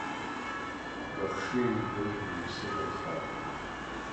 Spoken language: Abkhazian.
Быхшыҩи быжәҩеи сыгымхааит.